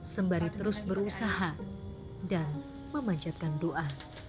sembari terus berusaha dan memanjatkan doa